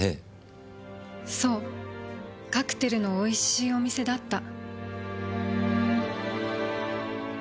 そうカクテルの美味しいお店だった。